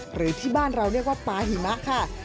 หรือที่บ้านเราเรียกว่าปลาหิมะค่ะ